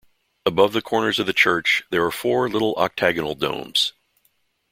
Above the corners of the church there are four little octagonal domes.